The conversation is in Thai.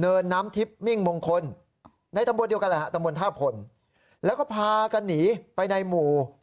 เนินน้ำทิพย์มิ่งมงคลในตำบลเดียวกันแหละฮะตำบลท่าพลแล้วก็พากันหนีไปในหมู่